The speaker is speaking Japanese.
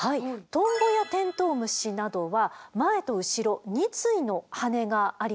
トンボやテントウムシなどは前と後ろ２対の羽がありますよね。